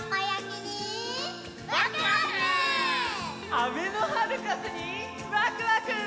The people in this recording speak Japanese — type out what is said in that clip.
あべのハルカスにワクワク！